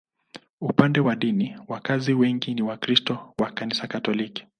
Upande wa dini, wakazi wengi ni Wakristo wa Kanisa Katoliki.